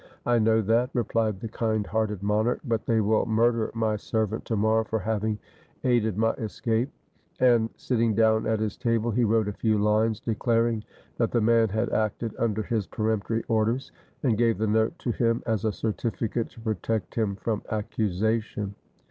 "I know that," replied the kind hearted monarch; "but they will murder my serv ant to morrow for having aided my escape"; and, sit ting down at his table, he wrote a few lines declaring that the man had acted under his peremptory orders, and gave the note to him as a certificate to protect him from accusation.